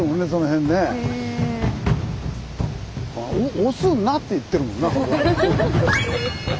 「押すな！」って言ってるもんなここ。